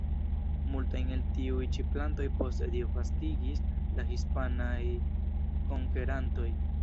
Multajn el tiuj ĉi plantoj poste disvastigis la hispanaj konkerantoj.